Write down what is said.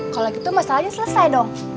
kalau gitu masalahnya selesai dong